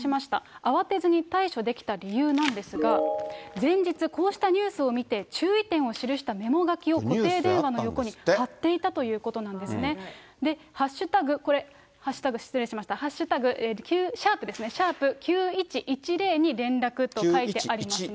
慌てずに対処できた理由なんですが、前日、こうしたニュースを見て、注意点を記したメモ書きを固定電話の横に貼っていたということなんですね。＃、失礼しました、＃、＃ですね、９１１０に連絡と書いてありますね。